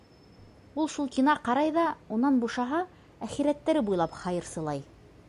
- Ул шул кина ҡарай ҙа, унан бушаһа, әхирәттәре буйлап хайырсылай...